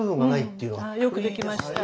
よくできました。